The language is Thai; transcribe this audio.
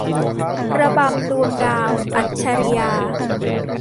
ระบำดวงดาว - อัจฉรียา